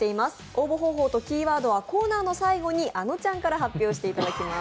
応募方法とキーワードはコーナーの最後にあのちゃんから発表してもらいます。